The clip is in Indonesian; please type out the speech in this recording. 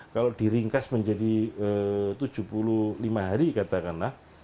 kalau diringkas menjadi tujuh puluh lima hari katakanlah